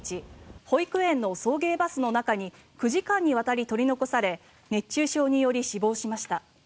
保育園の送迎バスの中に９時間にわたり取り残され熱中症により死亡しました。